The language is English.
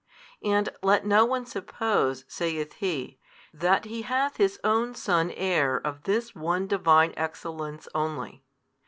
And let no one suppose, saith he, that He hath His Own Son Heir of this one Divine Excellence only.